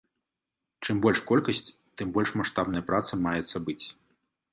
Чым больш колькасць, тым больш маштабная праца маецца быць.